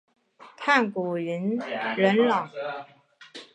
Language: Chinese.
炭谷银仁朗。